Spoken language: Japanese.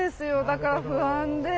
だから不安で。